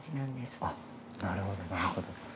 あっなるほどなるほど。